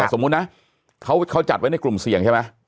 แต่สมมุตินะเค้าจัดไว้ใกล้กลุ่มเสี่ยงใช่ปะ